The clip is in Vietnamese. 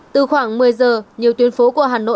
từ khoảng một mươi giờ nhiều tuyến phố của hà nội